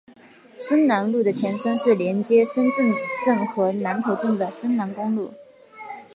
深南路的前身是连接深圳镇和南头镇的深南公路。